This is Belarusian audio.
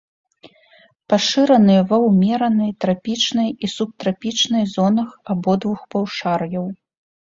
Пашыраны ва ўмеранай, трапічнай і субтрапічнай зонах абодвух паўшар'яў.